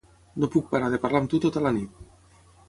No puc parar de parlar amb tu tota la nit.